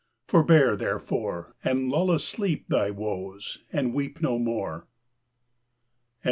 Forbear, therefore, And lull asleep Thy woes, and weep No more. 218.